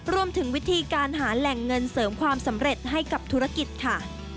รวมถึงวิธีการหาแหล่งเงินเสริมความสำเร็จให้กับธุรกิจค่ะ